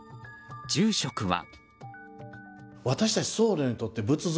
住職は。